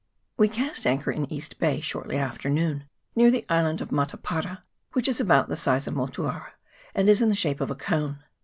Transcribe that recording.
We cast anchor in East Bay, shortly after noon, near the island of Matapara, which is about the size of Motuara, and is in the shape of a cone.